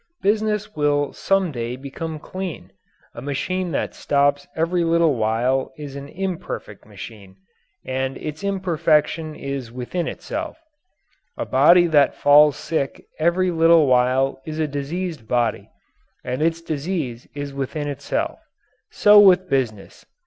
Business will some day become clean. A machine that stops every little while is an imperfect machine, and its imperfection is within itself. A body that falls sick every little while is a diseased body, and its disease is within itself. So with business.